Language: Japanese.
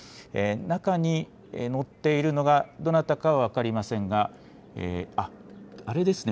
中に乗っているのがどなたかは分かりませんが、あれですね。